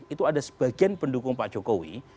itu ada sebagian pendukung pak jokowi